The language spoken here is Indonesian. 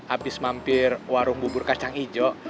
habis mampir warung bubur kacang hijau